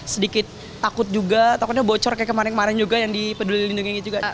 sedikit takut juga takutnya bocor kayak kemarin kemarin juga yang di peduli lindungi juga